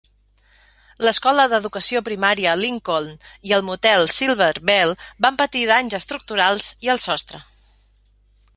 L'Escola d'Educació Primària Lincoln i el motel Silver Bell van patir danys estructurals i al sostre.